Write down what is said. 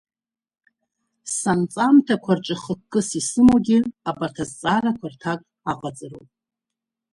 Санҵамҭақәа рҿы хықәкыс исымоугьы абарҭ азҵаарақәа рҭак аҟаҵароуп.